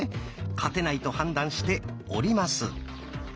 勝てないと判断して降ります。